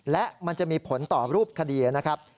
และมันจะมีผลต่อรูปคดีนะครับ